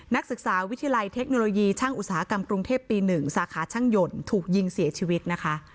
นักศึกษาวิทยาลัยเทคโนโลยีช่างอุตสาหกรรมกรุงเทพปี๑สาขาช่างหย่นถูกยิงเสียชีวิตนะคะ